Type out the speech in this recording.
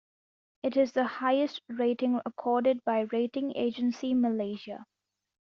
It is the highest rating accorded by Rating Agency Malaysia.